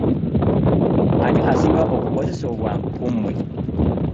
Ani asinga okukozesa obwangu kumwe?